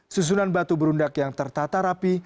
susunan batu berundak yang tertata rapi